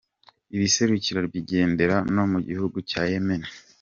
Ibisekuru bye bigera no mu gihugu cya Yemen.